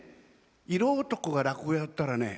色男が落語やったらね